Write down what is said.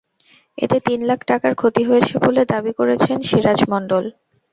এতে তিন লাখ টাকার ক্ষতি হয়েছে বলে দাবি করেছেন সিরাজ মণ্ডল।